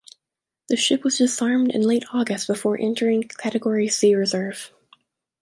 The ship was disarmed in late August before entering Category C reserve.